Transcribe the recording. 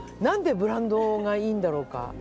何でブランドがいいんだろうか？